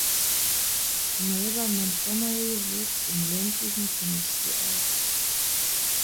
Melba Montgomery wuchs im ländlichen Tennessee auf.